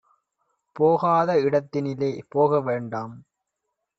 போகாத இடந்தனிலே போக வேண்டாம்